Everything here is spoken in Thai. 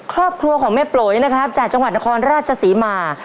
ครอบครัวของแม่โปรยนะครับจากจังหวัดนครราชศรีมา